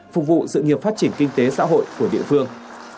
phục vụ sự nghiệp phát triển kinh tế xã hội của địa phương